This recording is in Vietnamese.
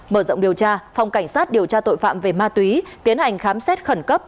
mở rộng điều tra phòng cảnh sát điều tra tội phạm về ma túy tiến hành khám xét khẩn cấp